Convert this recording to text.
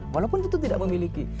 walaupun itu tidak memiliki